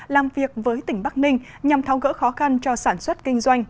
làm việc với tỉnh bắc ninh nhằm tháo gỡ khó khăn cho sản xuất kinh doanh